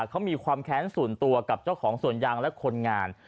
เขามีความแค้นส่วนตัวกับเจ้าของสวนยางและคนงาน